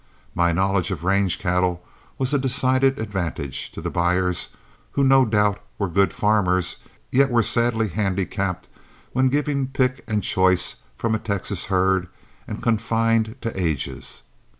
My knowledge of range cattle was a decided advantage to the buyers, who no doubt were good farmers, yet were sadly handicapped when given pick and choice from a Texas herd and confined to ages.